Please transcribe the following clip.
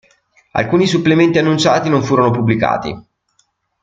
Alcuni supplementi annunciati non furono pubblicati.